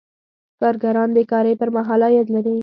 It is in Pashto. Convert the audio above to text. کارګران بې کارۍ پر مهال عاید لري.